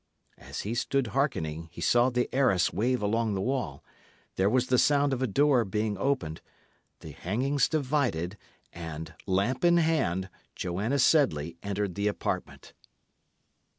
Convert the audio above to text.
As he stood hearkening, he saw the arras wave along the wall; there was the sound of a door being opened, the hangings divided, and, lamp in hand, Joanna Sedley entered the apartment.